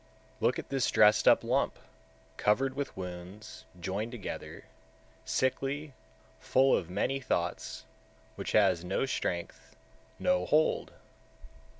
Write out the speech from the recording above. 147. Look at this dressed up lump, covered with wounds, joined together, sickly, full of many thoughts, which has no strength, no hold!